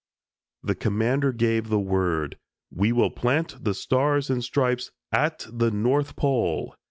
The Commander gave the word, "We will plant the Stars and Stripes at the North Pole!"